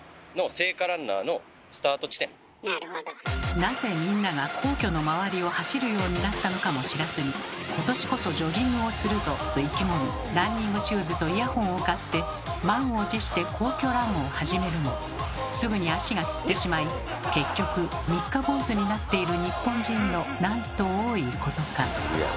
なぜみんなが皇居の周りを走るようになったのかも知らずに「今年こそジョギングをするぞ！」と意気込みランニングシューズとイヤホンを買って満を持して皇居ランを始めるもすぐに足がつってしまい結局三日坊主になっている日本人のなんと多いことか。